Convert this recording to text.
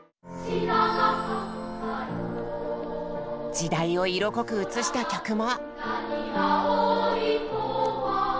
時代を色濃く映した曲も。